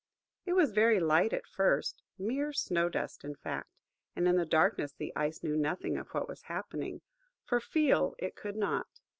It was very light at first–mere snow dust, in fact, and in the darkness the Ice knew nothing of what was happening, for feel it he could not.